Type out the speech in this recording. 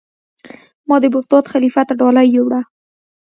ما د بغداد خلیفه ته ډالۍ یووړه.